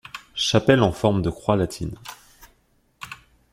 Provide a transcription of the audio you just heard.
Chapelle en forme de croix latine.